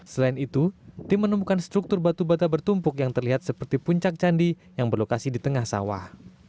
selain itu tim menemukan struktur batu bata bertumpuk yang terlihat seperti puncak candi yang berlokasi di tengah sawah